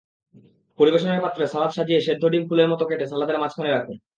পরিবেশনের পাত্রে সালাদ সাজিয়ে সেদ্ধ ডিম ফুলের মতো কেটে সালাদের মাঝখানে রাখুন।